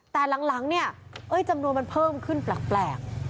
แต่หลังเนี่ยจำนวนมันเพิ่มขึ้นแปลก